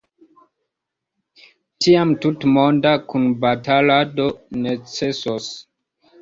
Tiam tutmonda kunbatalado necesos.